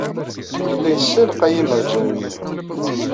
Yella yessalqay imerjan-nni.